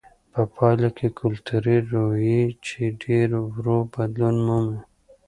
په پایله کې کلتوري رویې چې ډېر ورو بدلون مومي.